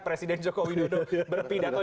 presiden joko widodo berpindah ke